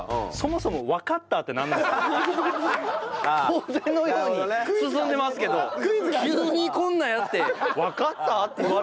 当然のように進んでますけど急にこんなんやって「わかった？」って言われても。